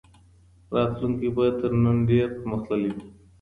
راتلونکی به تر نن ډېر پرمختللی وي.